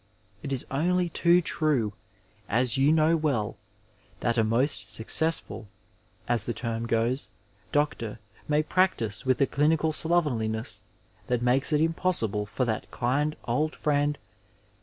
It is only too true, as you know well, that a most successful — as the term goes — doctor may practise with a clinical slovenliness that makes it impossible for that kind old friend.